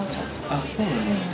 あっそうなんだね。